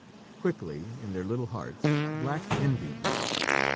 Quickly, in their little hearts, black envy grew.